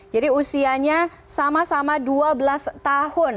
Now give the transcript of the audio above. jadi usianya sama sama dua belas tahun